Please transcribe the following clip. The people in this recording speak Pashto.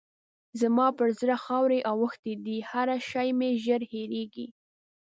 زما پر زړه خاورې اوښتې دي؛ هر شی مې ژر هېرېږي.